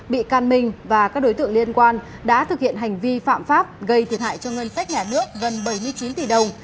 bị can minh và các đối tượng liên quan đã thực hiện hành vi phạm pháp gây thiệt hại cho ngân sách nhà nước gần bảy mươi chín tỷ đồng